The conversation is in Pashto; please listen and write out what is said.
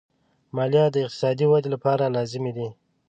مالیه د اقتصادي ودې لپاره لازمي ده.